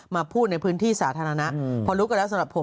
มาพูดในพื้นที่สาธารณะพอรู้กันแล้วสำหรับผม